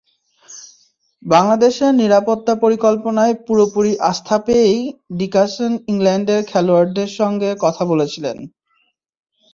বাংলাদেশের নিরাপত্তা পরিকল্পনায় পুরোপুরি আস্থা পেয়েই ডিকাসন ইংল্যান্ডের খেলোয়াড়দের সঙ্গে কথা বলেছিলেন।